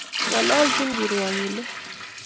ng'olonchin kiryokindet